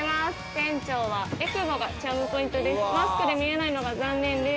店長はえくぼがチャームポイントです。